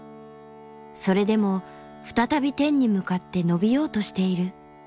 それでも再び天に向かって伸びようとしている！